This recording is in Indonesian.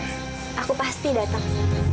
aku pasti datang